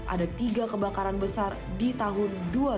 ada tiga kebakaran besar di tahun dua ribu dua